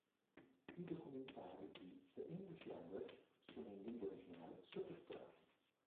I documentari di "The English Language" sono in lingua originale, sottotitolati.